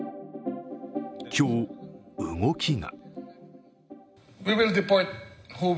今日、動きが。